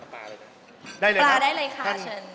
ปลาได้เลยค่ะ